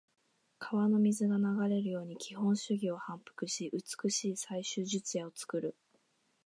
川の水が流れるように基本手技を反復し、美しい最終術野を作る。